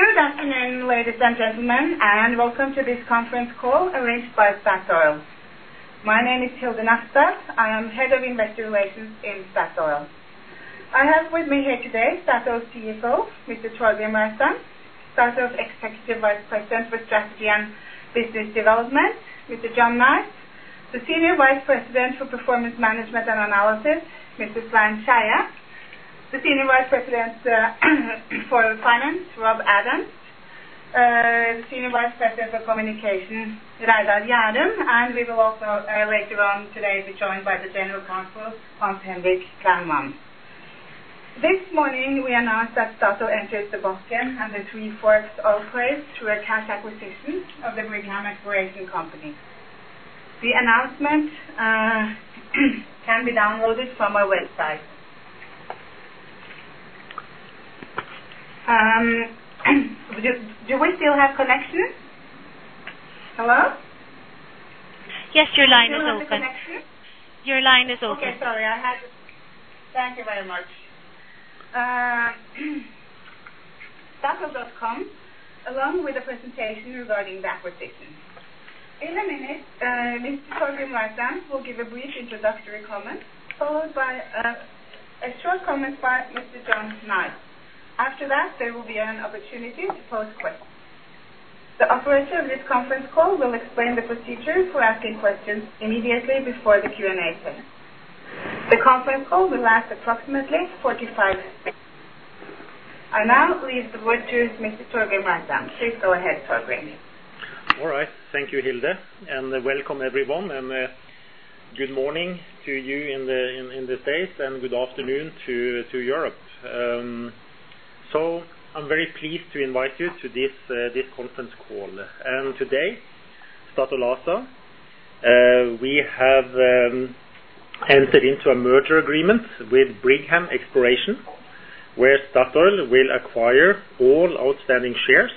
Good afternoon, ladies and gentlemen, and welcome to this conference call arranged by Statoil. My name is Hilde Møllerstad. I am Head of Investor Relations in Statoil. I have with me here today, Statoil CFO, Mr. Torgrim Reitan, Statoil's Executive Vice President for Strategy and Business Development, Mr. John Knight, the Senior Vice President for Performance Management and Analysis, Mr. Svein Skeie, the Senior Vice President for Finance, Rob Adam, Senior Vice President for Communication, Reidar Gjærum, and we will also, later on today, be joined by the General Counsel, Hans Henrik Klouman. This morning, we announced that Statoil entered the Bakken and the Three Forks oil plays through a cash acquisition of the Brigham Exploration Company. The announcement can be downloaded from our website. Do we still have connection? Hello? Yes, your line is open. Do you have the connection? Your line is open. Thank you very much. statoil.com, along with the presentation regarding the acquisition. In a minute, Mr. Torgrim Reitan will give a brief introductory comment, followed by a short comment by Mr. John Knight. After that, there will be an opportunity to pose questions. The operator of this conference call will explain the procedure for asking questions immediately before the Q&A session. The conference call will last approximately 45 minutes. I now leave the word to Mr. Torgrim Reitan. Please go ahead, Torgrim. All right. Thank you, Hilde, and welcome everyone, and good morning to you in the States, and good afternoon to Europe. I'm very pleased to invite you to this conference call. Today, Statoil ASA, we have entered into a merger agreement with Brigham Exploration, where Statoil will acquire all outstanding shares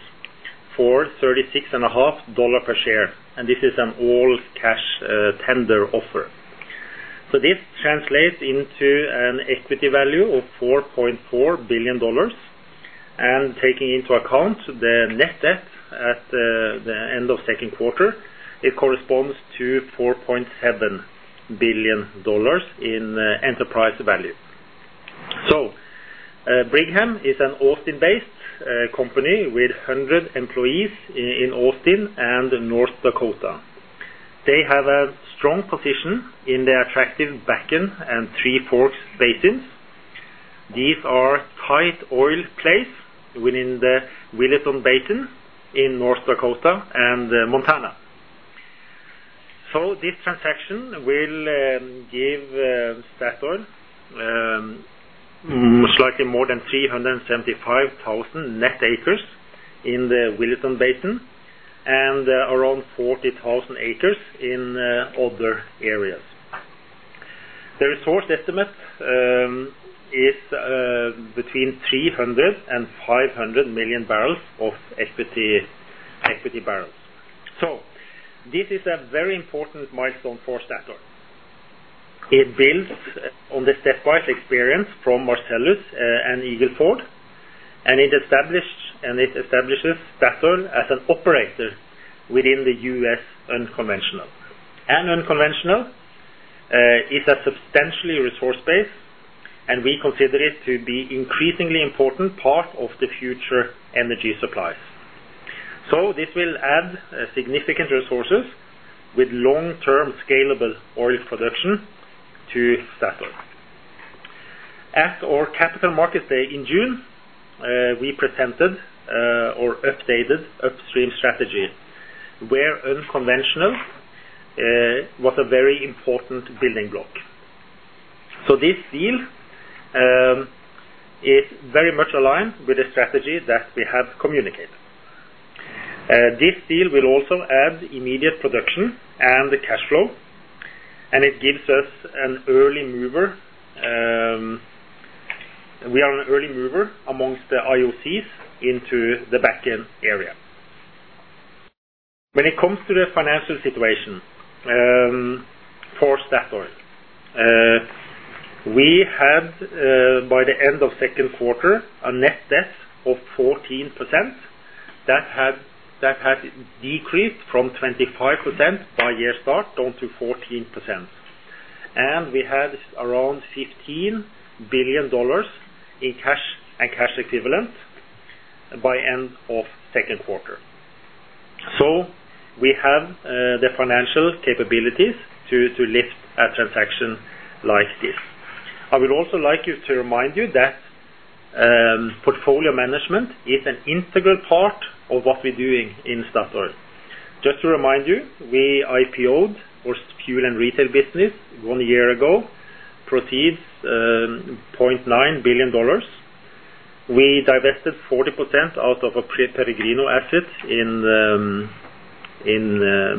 for 36 and a half dollars per share, and this is an all-cash tender offer. This translates into an equity value of $4.4 billion, and taking into account the net debt at the end of second quarter, it corresponds to $4.7 billion in enterprise value. Brigham is an Austin-based company with 100 employees in Austin and North Dakota. They have a strong position in the attractive Bakken and Three Forks basins. These are tight oil plays within the Williston Basin in North Dakota and Montana. This transaction will give Statoil slightly more than 375,000 net acres in the Williston Basin, and around 40,000 acres in other areas. The resource estimate is between 300 and 500 million barrels of equity barrels. This is a very important milestone for Statoil. It builds on the stepwise experience from Marcellus and Eagle Ford, and it establishes Statoil as an operator within the U.S. unconventional. Unconventional is a substantial resource base, and we consider it to be increasingly important part of the future energy supplies. This will add significant resources with long-term scalable oil production to Statoil. At our Capital Markets Day in June, we presented our updated upstream strategy, where unconventional was a very important building block. This deal is very much aligned with the strategy that we have communicated. This deal will also add immediate production and cash flow, and it gives us an early mover. We are an early mover amongst the IOCs into the Bakken area. When it comes to the financial situation, for Statoil, we had by the end of second quarter a net debt of 14% that had decreased from 25% by year start down to 14%. We had around $15 billion in cash and cash equivalents by end of second quarter. We have the financial capabilities to lift a transaction like this. I would also like to remind you that portfolio management is an integral part of what we're doing in Statoil. Just to remind you, we IPO'd our fuel and retail business one year ago, proceeds $0.9 billion. We divested 40% out of our Peregrino assets in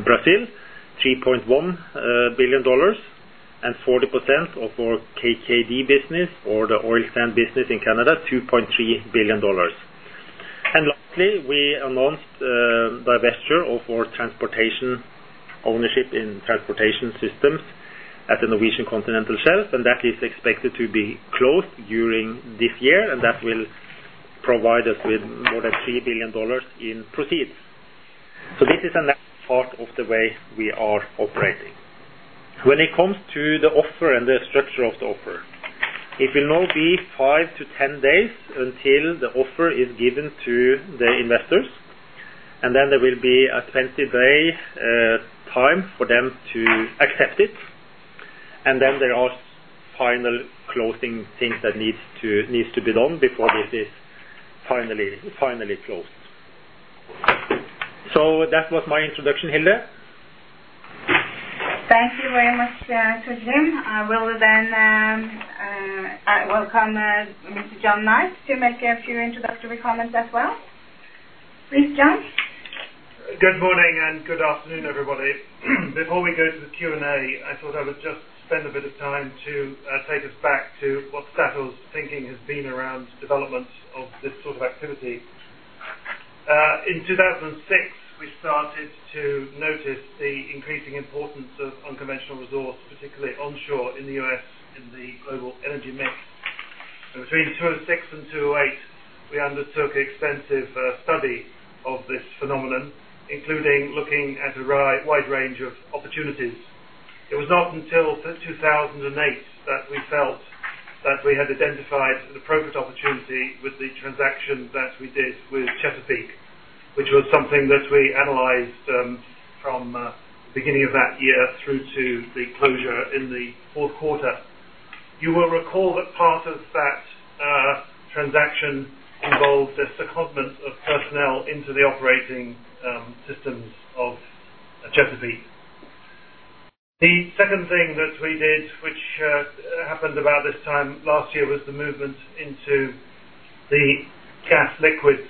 Brazil, $3.1 billion, and 40% of our Kai Kos Dehseh business or the oil sands business in Canada, $2.3 billion. Lastly, we announced divestiture of our transportation ownership in transportation systems at the Norwegian Continental Shelf, and that is expected to be closed during this year, and that will provide us with more than $3 billion in proceeds. This is a next part of the way we are operating. When it comes to the offer and the structure of the offer, it will now be five to 10 days until the offer is given to the investors, and then there will be a 20-day time for them to accept it. There are final closing things that needs to be done before it is finally closed. That was my introduction. Hilde? Thank you very much to Jim. I will then welcome Mr. John Knight to make a few introductory comments as well. Please, John. Good morning and good afternoon, everybody. Before we go to the Q&A, I thought I would just spend a bit of time to take us back to what Statoil's thinking has been around development of this sort of activity. In 2006, we started to notice the increasing importance of unconventional resource, particularly onshore in the U.S., in the global energy mix. Between 2006 and 2008, we undertook extensive study of this phenomenon, including looking at a wide range of opportunities. It was not until 2008 that we felt that we had identified an appropriate opportunity with the transaction that we did with Chesapeake, which was something that we analyzed from beginning of that year through to the closure in the fourth quarter. You will recall that part of that transaction involved the secondment of personnel into the operating systems of Chesapeake. The second thing that we did, which happened about this time last year, was the movement into the gas liquids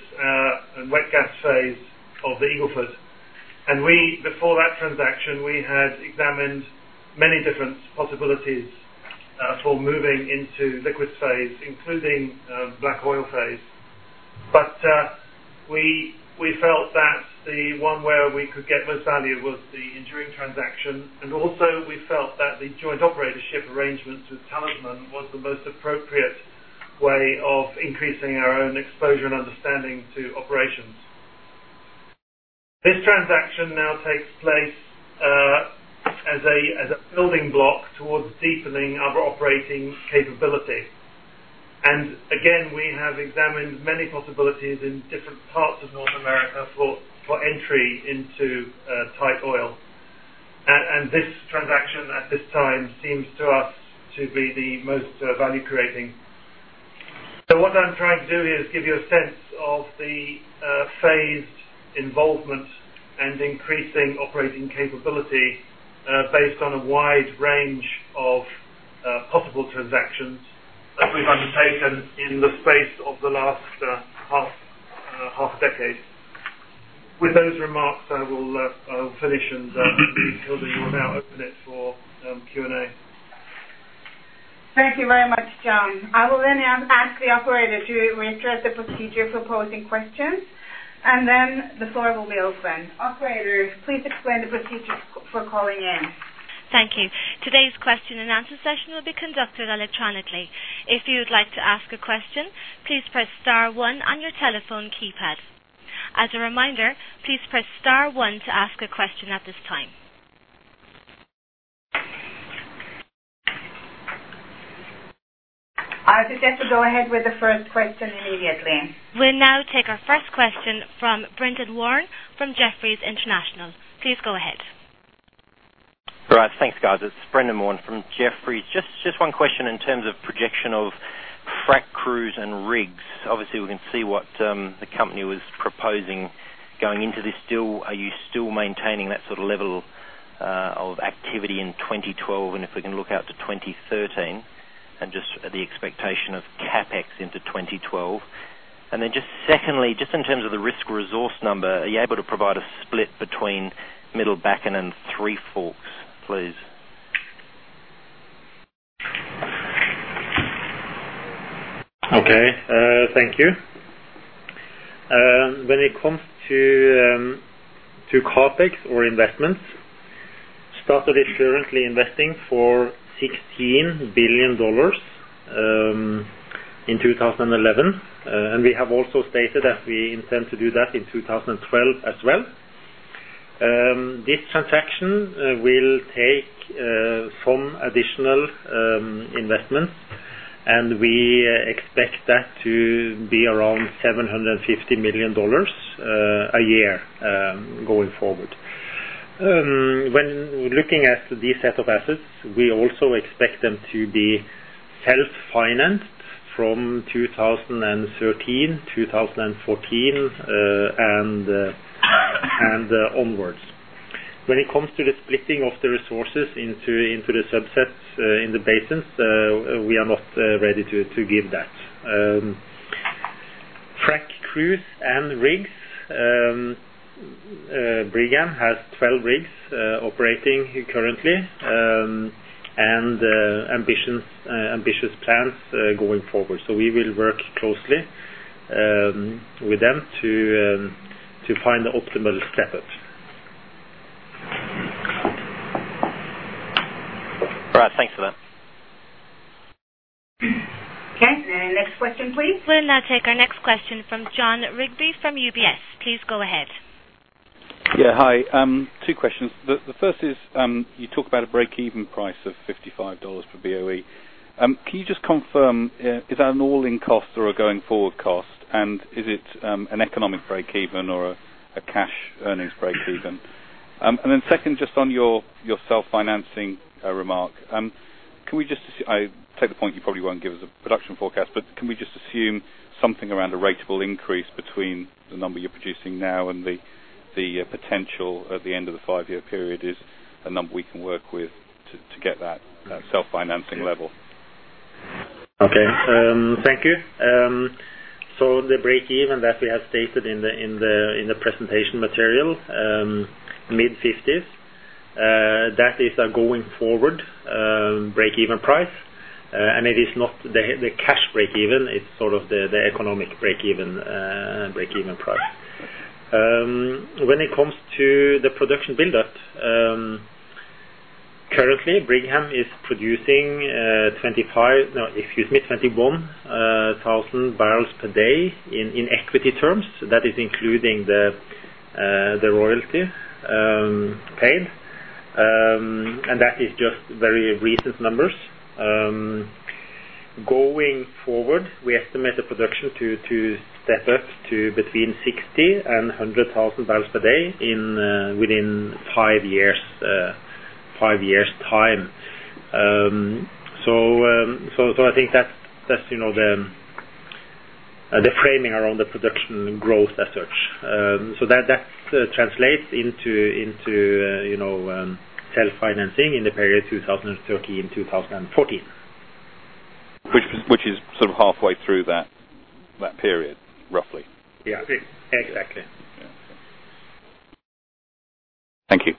and wet gas phase of the Eagle Ford. We, before that transaction, we had examined many different possibilities for moving into liquid phase, including black oil phase. We felt that the one where we could get most value was the Eagle Ford transaction. Also we felt that the joint operatorship arrangements with Talisman was the most appropriate way of increasing our own exposure and understanding to operations. This transaction now takes place as a building block towards deepening our operating capability. Again, we have examined many possibilities in different parts of North America for entry into tight oil. This transaction at this time seems to us to be the most value-creating. What I'm trying to do is give you a sense of the phased involvement and increasing operating capability based on a wide range of possible transactions that we've undertaken in the space of the last half decade. With those remarks, I will finish, and Hilde, you will now open it for Q&A. Thank you very much, John. I will then ask the operator to reiterate the procedure for posing questions, and then the floor will be open. Operator, please explain the procedure for calling in. Thank you. Today's question and answer session will be conducted electronically. If you would like to ask a question, please press star one on your telephone keypad. As a reminder, please press star one to ask a question at this time. I suggest to go ahead with the first question immediately. We'll now take our first question from Brendan Warn from Jefferies International. Please go ahead. Right. Thanks, guys. It's Brendan Warn from Jefferies. Just one question in terms of projection of frac crews and rigs. Obviously, we can see what the company was proposing going into this. Still, are you still maintaining that sort of level of activity in 2012? If we can look out to 2013 and just the expectation of CapEx into 2012. Just secondly, in terms of the risked resource number, are you able to provide a split between Middle Bakken and Three Forks, please? Okay, thank you. When it comes to CapEx or investments, Statoil is currently investing for $16 billion in 2011. We have also stated that we intend to do that in 2012 as well. This transaction will take some additional investments, and we expect that to be around $750 million a year going forward. When looking at this set of assets, we also expect them to be self-financed from 2013, 2014, and onwards. When it comes to the splitting of the resources into the subsets in the basins, we are not ready to give that. Frac crews and rigs, Brigham has 12 rigs operating currently, and ambitious plans going forward. We will work closely with them to find the optimal step up. Right. Thanks for that. Okay, next question, please. We'll now take our next question from Jon Rigby from UBS. Please go ahead. Yeah, hi. Two questions. The first is, you talk about a break-even price of $55 per BOE. Can you just confirm, is that an all-in cost or a going forward cost? And is it an economic break-even or a cash earnings break-even? Second, just on your self-financing remark, I take the point you probably won't give us a production forecast, but can we just assume something around the ratable increase between the number you're producing now and the potential at the end of the five-year period is a number we can work with to get that self-financing level? Okay. Thank you. The break-even that we have stated in the presentation material, mid-50s, that is a going forward break-even price. It is not the cash break-even, it's sort of the economic break-even price. When it comes to the production buildup, currently Brigham is producing 21,000 barrels per day in equity terms. That is including the royalty paid. That is just very recent numbers. Going forward, we estimate the production to step up to between 60,000 and 100,000 barrels per day within five years time. I think that's you know, the framing around the production growth as such. That translates into, you know, self-financing in the period 2013-2014. Which is sort of halfway through that period, roughly? Yeah. Exactly. Yeah. Thank you.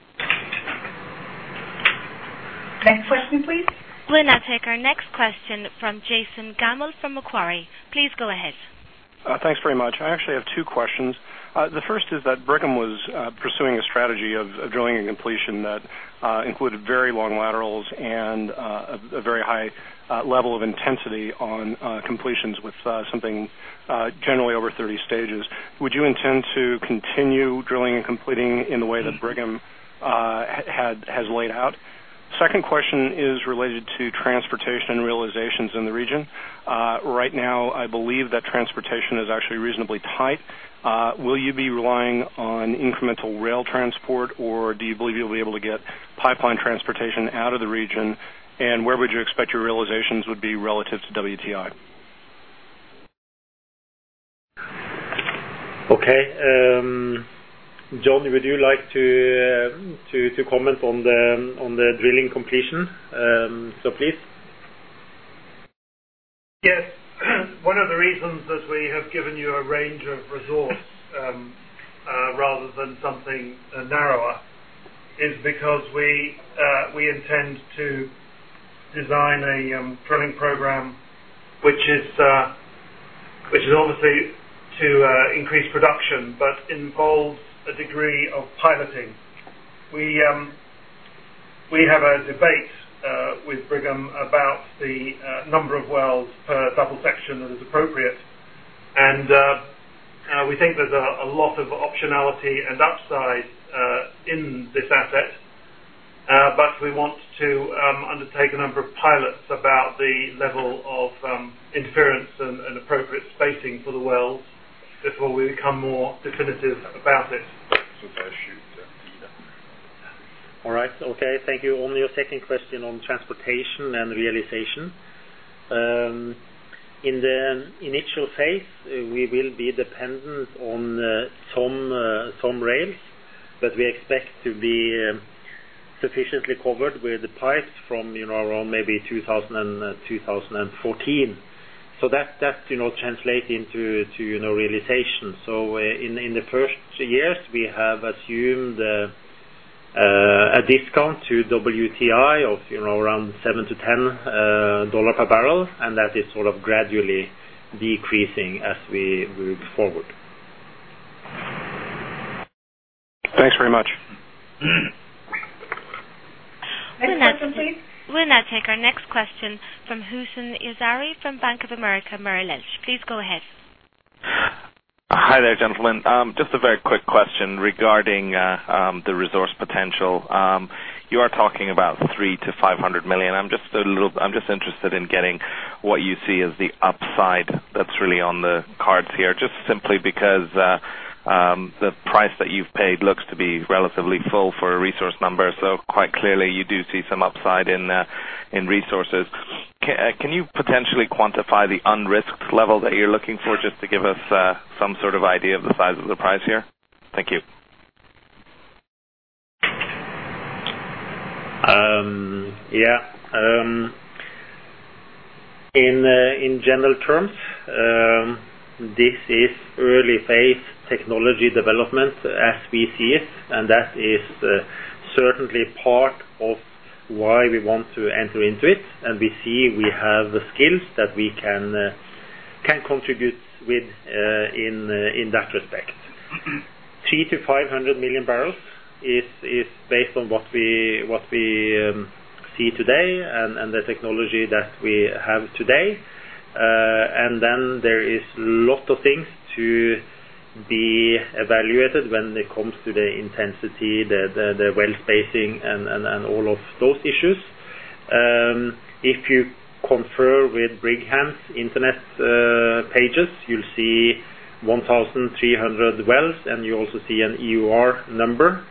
Next question, please. We'll now take our next question from Jason Gammel from Macquarie. Please go ahead. Thanks very much. I actually have two questions. The first is that Brigham was pursuing a strategy of drilling and completion that included very long laterals and a very high level of intensity on completions with something generally over 30 stages. Would you intend to continue drilling and completing in the way that Brigham has laid out? Second question is related to transportation realizations in the region. Right now, I believe that transportation is actually reasonably tight. Will you be relying on incremental rail transport, or do you believe you'll be able to get pipeline transportation out of the region? And where would you expect your realizations would be relative to WTI? Okay. John, would you like to comment on the drilling completion? Please. Yes. One of the reasons that we have given you a range of resource rather than something narrower is because we intend to design a drilling program which is obviously to increase production but involves a degree of piloting. We have a debate with Brigham about the number of wells per double section that is appropriate. We think there's a lot of optionality and upside in this asset. We want to undertake a number of pilots about the level of interference and appropriate spacing for the wells before we become more definitive about it. Thank you. On your second question on transportation and realization. In the initial phase, we will be dependent on some rails, but we expect to be sufficiently covered with the pipes from, you know, around maybe 2014. That, you know, translates into realization. In the first years, we have assumed a discount to WTI of, you know, around $7-$10 per barrel, and that is sort of gradually decreasing as we move forward. Thanks very much. Next question, please. We'll now take our next question from Hootan Yazhari from Bank of America Merrill Lynch. Please go ahead. Hi there, gentlemen. Just a very quick question regarding the resource potential. You are talking about 300 million-500 million. I'm just interested in getting what you see as the upside that's really on the cards here. Just simply because the price that you've paid looks to be relatively full for a resource number. Quite clearly, you do see some upside in resources. Can you potentially quantify the unrisked level that you're looking for, just to give us some sort of idea of the size of the prize here? Thank you. Yeah. In general terms, this is early phase technology development as we see it, and that is certainly part of why we want to enter into it, and we see we have the skills that we can contribute with, in that respect. 300 million-500 million barrels is based on what we see today and the technology that we have today. Then there is a lot of things to be evaluated when it comes to the intensity, the well spacing and all of those issues. If you confer with Brigham's investor pages, you'll see 1,300 wells, and you also see an EUR number.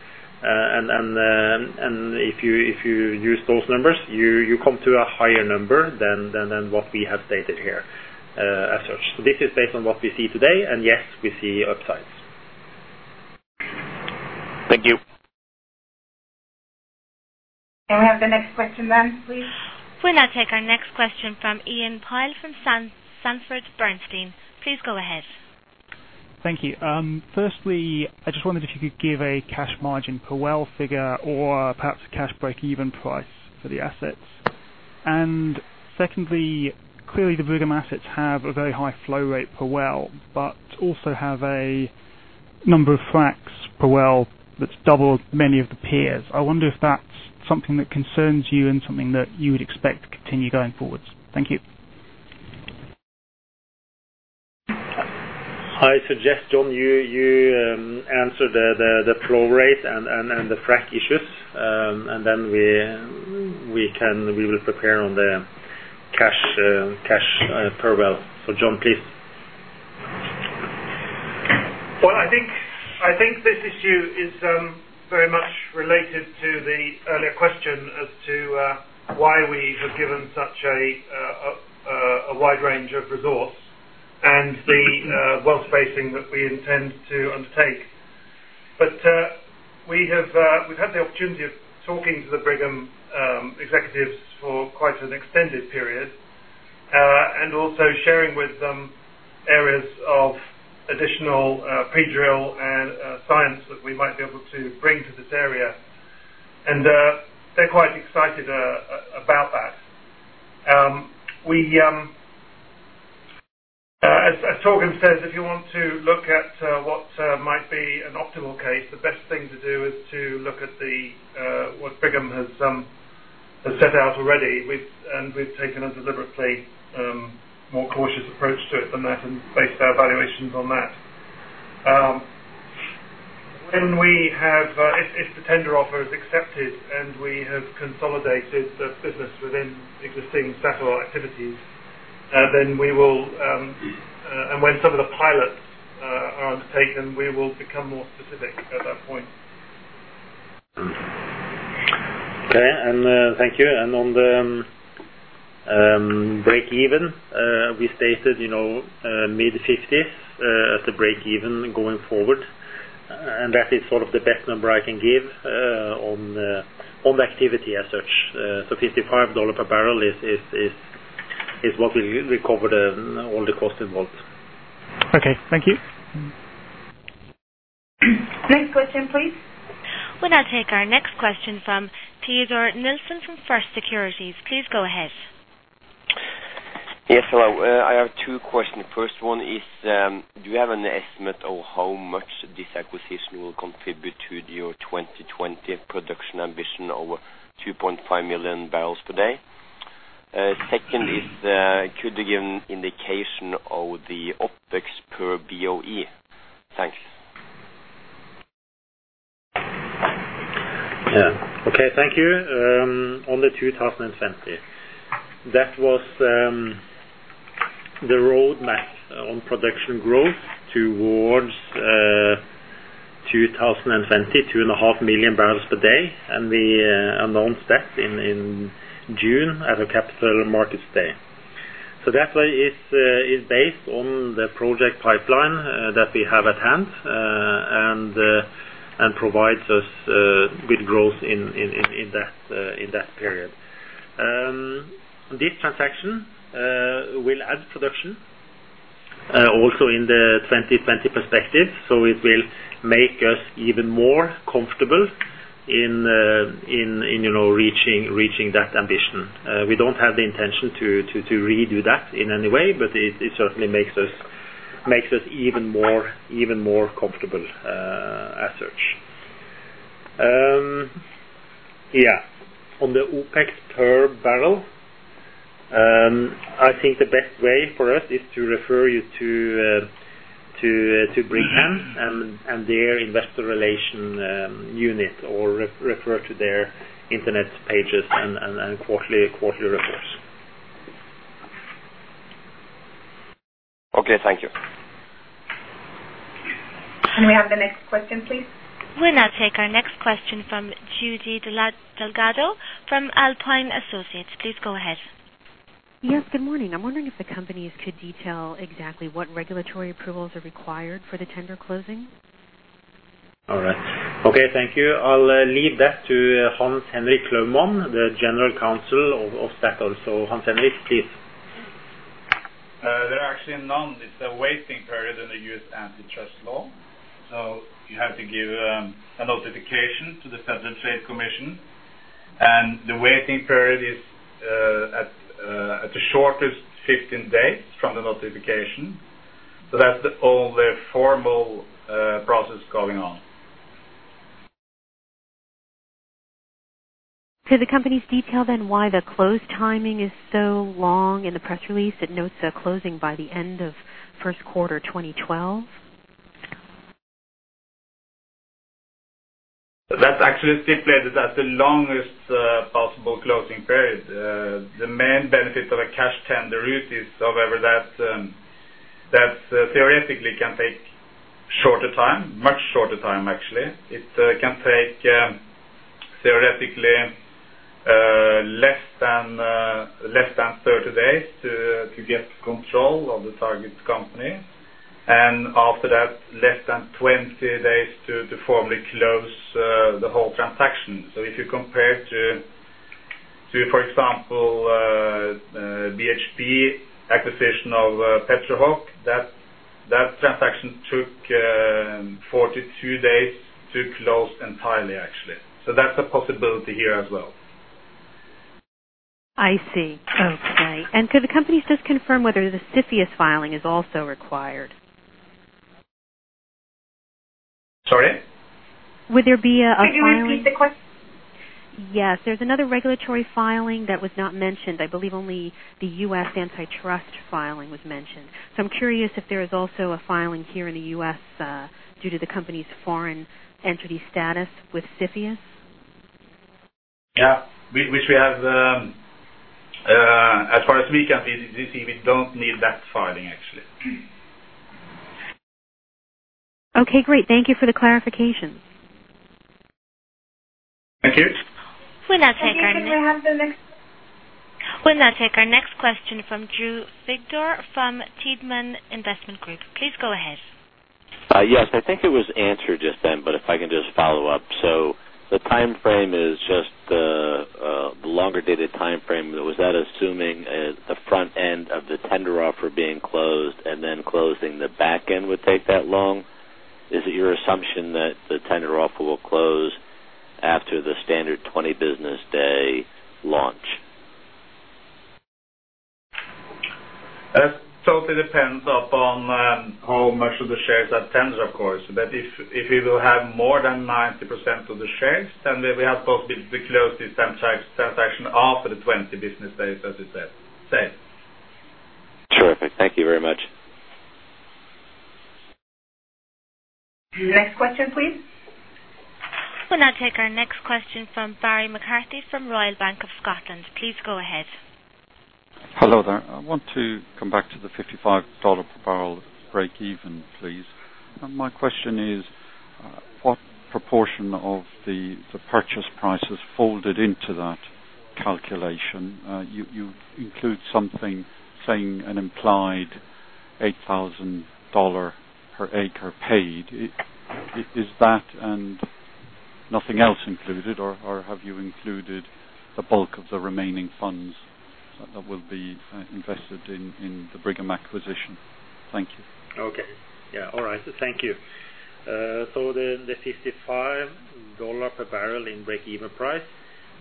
If you use those numbers, you come to a higher number than what we have stated here, as such. This is based on what we see today, and yes, we see upsides. Thank you. Can we have the next question then, please? We'll now take our next question from Iain Pyle from Sanford C. Bernstein. Please go ahead. Thank you. Firstly, I just wondered if you could give a cash margin per well figure or perhaps a cash breakeven price for the assets. Secondly, clearly, the Brigham assets have a very high flow rate per well, but also have a number of fracs per well that's double many of the peers. I wonder if that's something that concerns you and something that you would expect to continue going forward. Thank you. I suggest, John, you answer the flow rate and the frac issues, and then we will prepare on the cash per well. John, please. I think this issue is very much related to the earlier question as to why we have given such a wide range of resource and the well spacing that we intend to undertake. We've had the opportunity of talking to the Brigham executives for quite an extended period and also sharing with them areas of additional pilot drill and seismic that we might be able to bring to this area. They're quite excited about that. As Torgrim Reitan says, if you want to look at what might be an optimal case, the best thing to do is to look at what Brigham has set out already. We've taken a deliberately more cautious approach to it than that and based our valuations on that. When we have, if the tender offer is accepted and we have consolidated the business within existing Statoil activities, then we will, and when some of the pilots are undertaken, we will become more specific at that point. Okay. Thank you. On the breakeven, we stated, you know, mid-50s at the breakeven going forward, and that is sort of the best number I can give on the activity as such. $55 per barrel is what we recovered all the cost involved. Okay. Thank you. Next question, please. We'll now take our next question from Teodor Sveen-Nilsen from First Securities. Please go ahead. Yes. Hello. I have two questions. First one is, do you have an estimate of how much this acquisition will contribute to your 2020 production ambition over 2.5 million barrels per day? Second is, could you give an indication of the OpEx per BOE? Thanks. Yeah. Okay. Thank you. On the 2020, that was the roadmap on production growth towards 2020, 2.5 million barrels per day. We announced that in June at a Capital Markets Day. That one is based on the project pipeline that we have at hand and provides us with growth in that period. This transaction will add production also in the 2020 perspective, so it will make us even more comfortable in you know, reaching that ambition. We don't have the intention to redo that in any way, but it certainly makes us even more comfortable as such. Yeah. On the OpEx per barrel, I think the best way for us is to refer you to Brigham and their investor relations unit or refer to their internet pages and quarterly reports. Okay. Thank you. Can we have the next question, please? We'll now take our next question from Judey Delgado from Alpine Associates. Please go ahead. Yes, good morning. I'm wondering if the companies could detail exactly what regulatory approvals are required for the tender closing? All right. Okay, thank you. I'll leave that to Hans Henrik Klouman, the General Counsel of Statoil. Hans Henrik, please. There are actually none. It's a waiting period in the U.S. antitrust law. You have to give a notification to the Federal Trade Commission, and the waiting period is at the shortest 15 days from the notification. That's the only formal process going on. Could the company detail, then, why the closing timing is so long in the press release? It notes a closing by the end of first quarter 2012. That's actually stipulated as the longest possible closing period. The main benefit of a cash tender offer is, however, that theoretically can take shorter time, much shorter time, actually. It can take theoretically less than 30 days to get control of the target company. After that, less than 20 days to formally close the whole transaction. If you compare to for example BHP acquisition of Petrohawk, that transaction took 42 days to close entirely, actually. That's a possibility here as well. I see. Okay. Could the company just confirm whether the CFIUS filing is also required? Sorry? Would there be a filing? Could you repeat the question? Yes. There's another regulatory filing that was not mentioned. I believe only the U.S. antitrust filing was mentioned. I'm curious if there is also a filing here in the U.S., due to the company's foreign entity status with CFIUS. Yeah. Which we have, as far as we can see, we don't need that filing, actually. Okay, great. Thank you for the clarification. Thank you. We'll now take our next question from Drew Figdor from Tiedemann Investment Group. Please go ahead. Yes. I think it was answered just then. If I can just follow up. The timeframe is just the longer dated timeframe. Was that assuming the front end of the tender offer being closed and then closing the back end would take that long? Is it your assumption that the tender offer will close after the standard 20 business day launch? That totally depends upon how much of the shares are tender, of course. If you will have more than 90% of the shares, then we have thought we'd close this transaction after the 20 business days, as you said. Terrific. Thank you very much. Next question, please. We'll now take our next question from Barry McCarthy from Royal Bank of Scotland. Please go ahead. Hello there. I want to come back to the $55 per barrel break even, please. My question is, what proportion of the purchase price is folded into that calculation? You include something saying an implied $8,000 per acre paid. Is that and nothing else included, or have you included the bulk of the remaining funds that will be invested in the Brigham acquisition? Thank you. The $55-per-barrel break-even price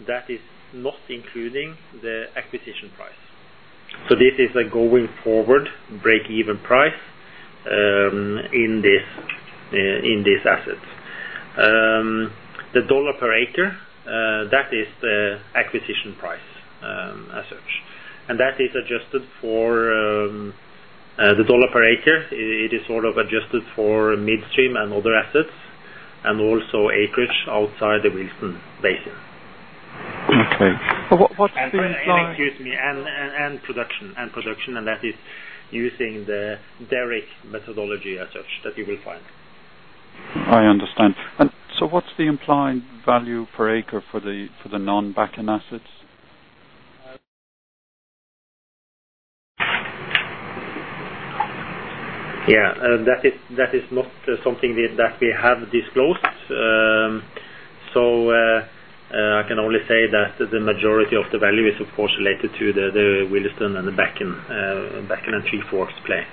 that is not including the acquisition price. This is a going-forward break-even price in this asset. The dollar per acre that is the acquisition price as such. That is adjusted for the dollar per acre. It is sort of adjusted for midstream and other assets and also acreage outside the Williston Basin. Okay. What's the implied? Excuse me, production, and that is using the Derrick methodology as such that you will find. I understand. What's the implied value per acre for the non-Bakken assets? Yeah. That is not something we have disclosed. I can only say that the majority of the value is of course related to the Williston and the Bakken and Three Forks play.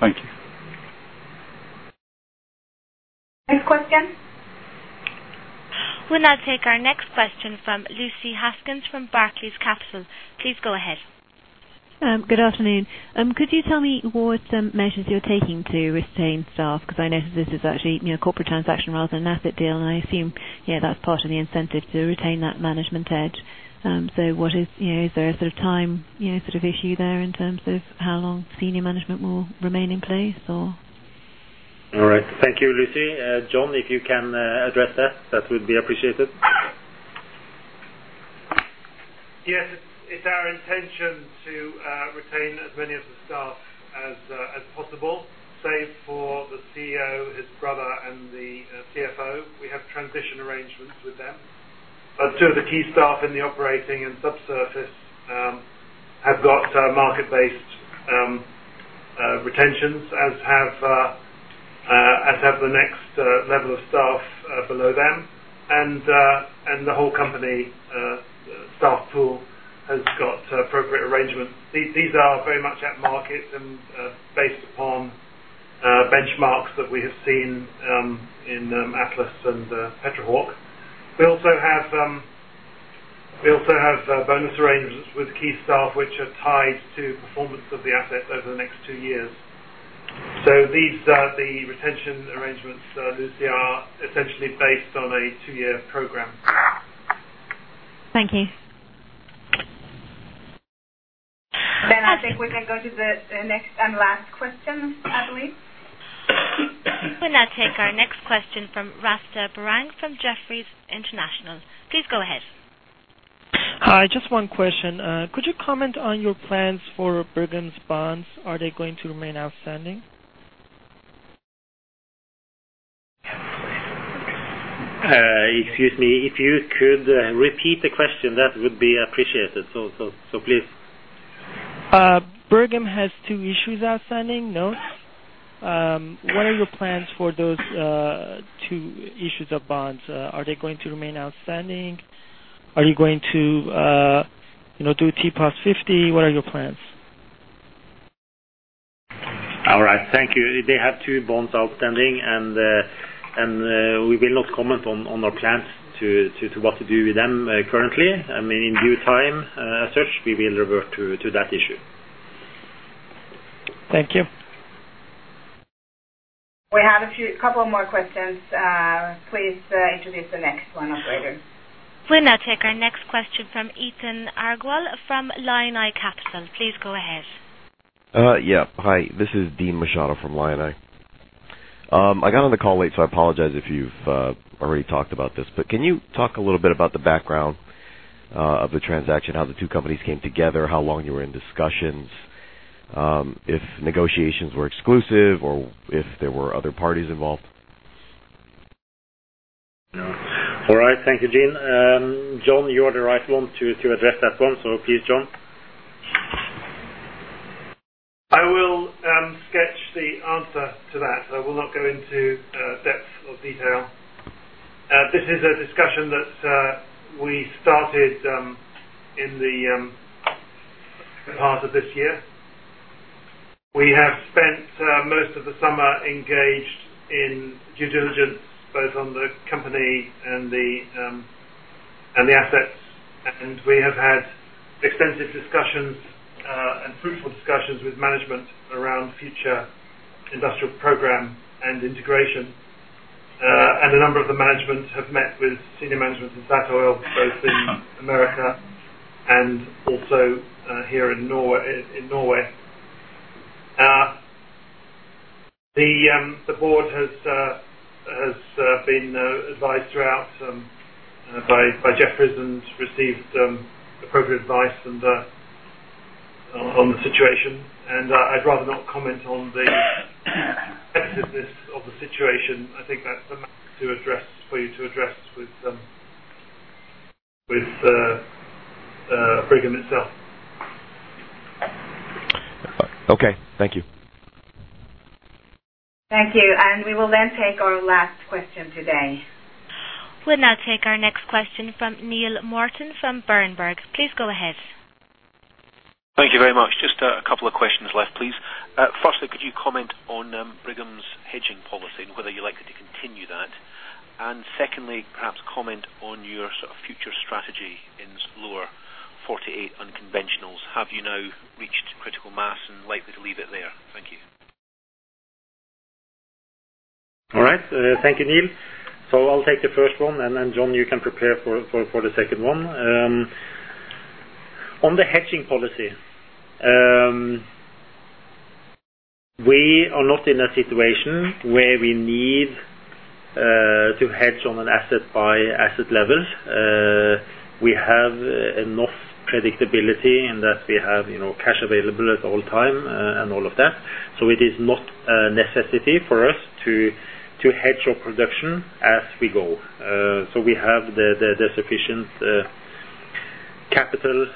Thank you. Next question. We'll now take our next question from Lydia Rainforth from Barclays Capital. Please go ahead. Good afternoon. Could you tell me what measures you're taking to retain staff? Because I notice this is actually, you know, corporate transaction rather than an asset deal, and I assume, yeah, that's part of the incentive to retain that management edge. What is, you know, is there a sort of time, you know, sort of issue there in terms of how long senior management will remain in place or? All right. Thank you, Lydia. John, if you can, address that would be appreciated. Yes. It's our intention to retain as many of the staff as possible, save for the CEO, his brother and the CFO. We have transition arrangements with them. Two of the key staff in the operating and subsurface have got market-based retentions, as have the next level of staff below them, and the whole company staff pool has got appropriate arrangements. These are very much at market and based upon benchmarks that we have seen in Atlas and Petrohawk. We also have bonus arrangements with key staff, which are tied to performance of the asset over the next two years. These are the retention arrangements. These here are essentially based on a two-year program. Thank you. I think we can go to the next and last question, I believe. We'll now take our next question from Rashed Barhang from Jefferies International. Please go ahead. Hi. Just one question. Could you comment on your plans for Brigham's bonds? Are they going to remain outstanding? Excuse me. If you could repeat the question, that would be appreciated. Please. Brigham has two issues outstanding, notes. What are your plans for those two issues of bonds? Are they going to remain outstanding? Are you going to, you know, do T+50? What are your plans? All right. Thank you. They have two bonds outstanding, and we will not comment on our plans to what to do with them currently. I mean, in due time, as such, we will revert to that issue. Thank you. We have a couple more questions. Please, introduce the next one, operator. We'll now take our next question from Ethan Arguell from Lioneye Capital Management. Please go ahead. Hi, this is Dean Machado from Lioneye. I got on the call late, so I apologize if you've already talked about this, but can you talk a little bit about the background of the transaction? How the two companies came together, how long you were in discussions, if negotiations were exclusive or if there were other parties involved? All right. Thank you, Dean. John, you are the right one to address that one. Please, John. I will sketch the answer to that. I will not go into depth of detail. This is a discussion that we started in the part of this year. We have spent most of the summer engaged in due diligence, both on the company and the assets, and we have had extensive discussions and fruitful discussions with management around future industrial program and integration. A number of the management have met with senior management of Statoil, both in America and also here in Norway. The board has been advised throughout by Jefferies and received appropriate advice on the situation. I'd rather not comment on the effectiveness of the situation. I think that's something to address, for you to address with Brigham itself. Okay. Thank you. Thank you. We will then take our last question today. We'll now take our next question from Neil Martin from Bloomberg. Please go ahead. Thank you very much. Just a couple of questions left, please. Firstly, could you comment on Brigham's hedging policy and whether you're likely to continue that? Secondly, perhaps comment on your sort of future strategy in lower 48 unconventionals. Have you now reached critical mass and likely to leave it there? Thank you. All right. Thank you, Neil. I'll take the first one, and then, John, you can prepare for the second one. On the hedging policy, we are not in a situation where we need to hedge on an asset-by-asset level. We have enough predictability in that we have, you know, cash available at all time, and all of that. It is not a necessity for us to hedge our production as we go. We have the sufficient capital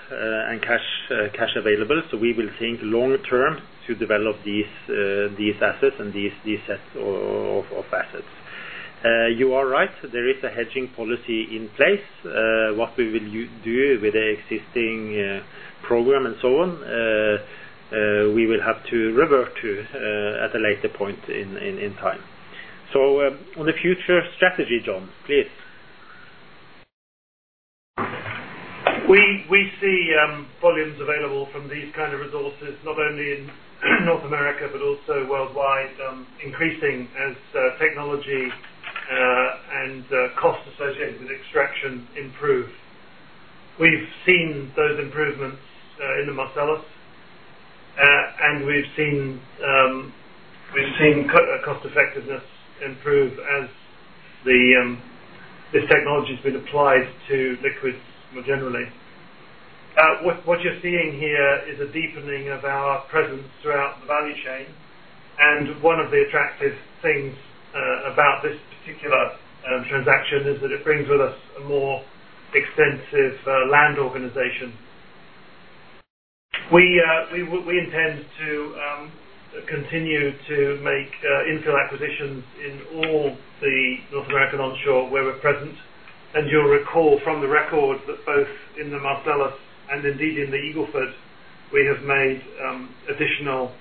and cash available, so we will think long-term to develop these assets and these set of assets. You are right, there is a hedging policy in place. What we will do with the existing program and so on, we will have to revert to at a later point in time. On the future strategy, John, please. We see volumes available from these kind of resources, not only in North America, but also worldwide, increasing as technology and costs associated with extraction improve. We've seen those improvements in the Marcellus. We've seen cost effectiveness improve as this technology has been applied to liquids more generally. What you're seeing here is a deepening of our presence throughout the value chain, and one of the attractive things about this particular transaction is that it brings with us a more extensive land organization. We intend to continue to make infill acquisitions in all the North American onshore where we're present. You'll recall from the record that both in the Marcellus and indeed in the Eagle Ford, we have made additional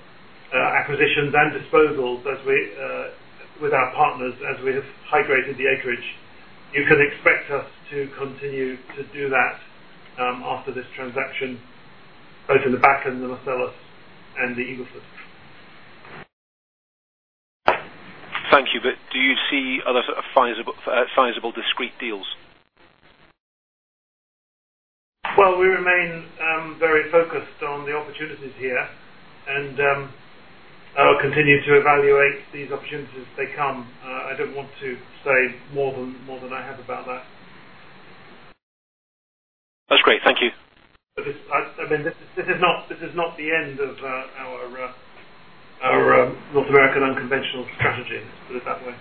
acquisitions and disposals as we, with our partners, as we have high-graded the acreage. You can expect us to continue to do that after this transaction, both in the Bakken and the Eagle Ford. Thank you. Do you see other sort of sizable discrete deals? Well, we remain very focused on the opportunities here and continue to evaluate these opportunities as they come. I don't want to say more than I have about that. That's great. Thank you. I mean, this is not the end of our North American unconventional strategy, let's put it that way.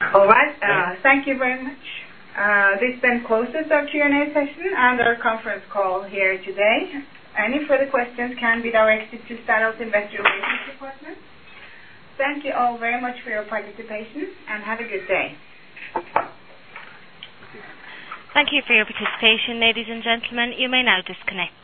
All right. Thank you very much. This then closes our Q&A session and our conference call here today. Any further questions can be directed to Statoil's Investor Relations department. Thank you all very much for your participation, and have a good day. Thank you for your participation, ladies and gentlemen. You may now disconnect.